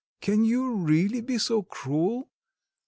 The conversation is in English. Can you really be so cruel?